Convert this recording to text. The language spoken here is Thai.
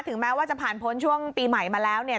แม้ว่าจะผ่านพ้นช่วงปีใหม่มาแล้วเนี่ย